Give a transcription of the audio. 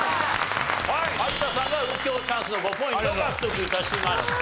はい有田さんが右京チャンスの５ポイントを獲得致しました。